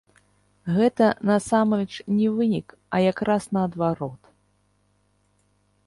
Гэта, насамрэч, не вынік, а якраз наадварот.